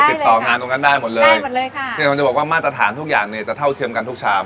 ได้เลยค่ะติดต่องานตรงนั้นได้หมดเลยได้หมดเลยค่ะเนี่ยมันจะบอกว่ามาตรฐานทุกอย่างเนี่ยจะเท่าเทียมกันทุกชาม